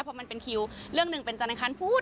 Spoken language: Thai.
เพราะมันเป็นคิวเรื่องหนึ่งเป็นจันทร์พูด